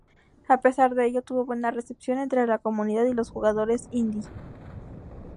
A pesar de ello, tuvo buena recepción entre la comunidad y los jugadores indie.